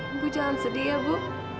ibu jangan sedih ya bu